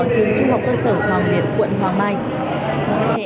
trường trung học cơ sở hoàng liệt quận hoàng mai